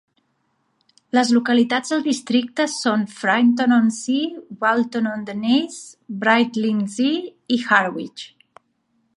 Les localitats del districte són Frinton-on-Sea, Walton-on-the-Naze, Brightlingsea i Harwich.